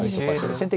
先手